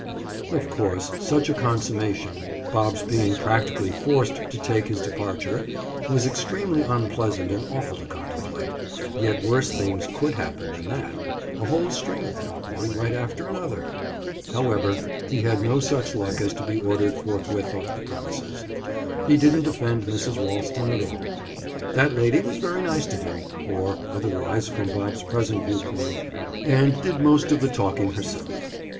Of course, such a consummation—Bob's being practically forced to take his departure—was extremely unpleasant and awful to contemplate, yet worse things could happen than that—a whole string of them, one right after another! However, he had no such luck as to be ordered forthwith off the premises. He didn't offend Mrs. Ralston at all. That lady was very nice to him (or otherwise, from Bob's present view point) and did most of the talking herself.